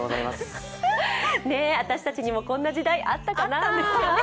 私たちにもこんな時代あったかな。